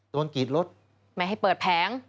กรีดรถไม่ให้เปิดแผง